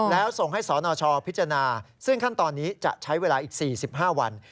แล้วส่งให้สนชพิจารณาซึ่งขั้นตอนนี้จะใช้เวลาอีก๔๕วัน